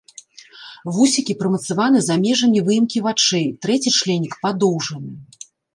Вусікі прымацаваны за межамі выемкі вачэй, трэці членік падоўжаны.